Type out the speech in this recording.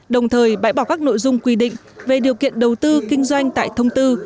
đồng thời bãi bỏ các nội dung quy định về điều kiện đầu tư kinh doanh tại thông tư